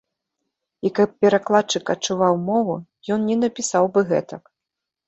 І каб перакладчык адчуваў мову, ён не напісаў бы гэтак.